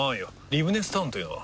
リブネスタウンというのは？